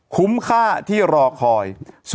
คุ้มค่าที่รอคอย๐๔๕๐๑๗๐๗๒๐๒๐